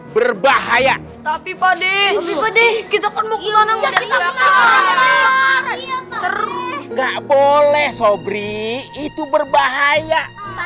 berbahaya tapi pade pade kita kan mau ke sana udah seru nggak boleh sobri itu berbahaya